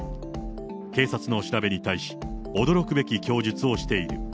警察の調べに対し、驚くべき供述をしている。